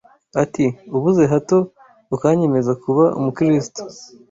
ati: “Ubuze hato ukanyemeza kuba Umukristo